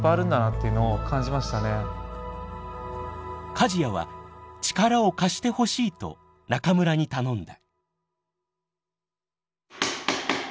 梶屋は力を貸してほしいと中村に頼んだ。